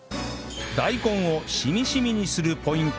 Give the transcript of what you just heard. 大根をしみしみにするポイント